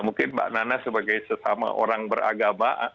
mungkin mbak nana sebagai sesama orang beragama